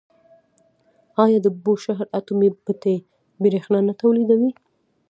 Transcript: آیا د بوشهر اټومي بټۍ بریښنا نه تولیدوي؟